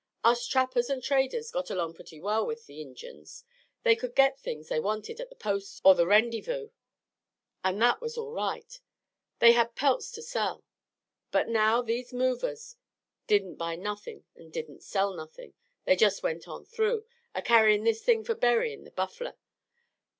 "Us trappers an' traders got along purty well with the Injuns they could get things they wanted at the posts or the Rendyvous, an' that was all right. They had pelts to sell. But now these movers didn't buy nothin' an' didn't sell nothin'. They just went on through, a carryin' this thing for buryin' the buffler.